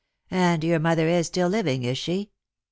And your mother is still living, is she